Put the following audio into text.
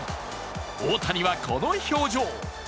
大谷は、この表情。